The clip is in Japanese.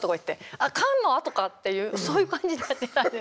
ああ「カン」のあとかっていうそういう感じなんです。